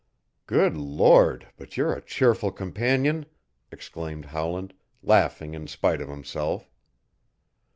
"Good Lord, but you're a cheerful companion," exclaimed Howland, laughing in spite of himself.